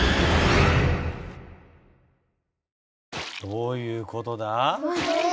どういうことだ？